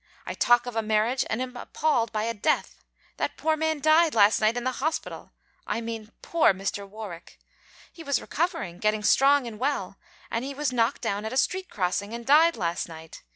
I talk of a marriage and am appalled by a death. That poor man died last night in the hospital. I mean poor Mr. Warwick. He was recovering, getting strong and well, and he was knocked down at a street crossing and died last night.